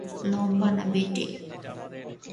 লম্বা না বেঁটে?